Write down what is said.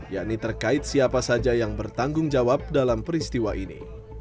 yakni terkait siapa saja yang bertanggung jawab dalam peristiwa ini